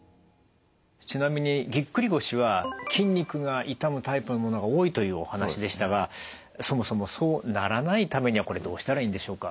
ちなみにぎっくり腰は筋肉が傷むタイプのものが多いというお話でしたがそもそもそうならないためにはこれどうしたらいいんでしょうか？